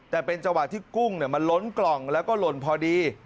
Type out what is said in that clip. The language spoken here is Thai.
แต่เป็นจังหวะที่กุ้งมันล้นกล่องแล้วก็หล่นพอดี